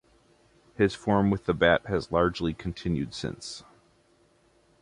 His form with the bat has largely continued since.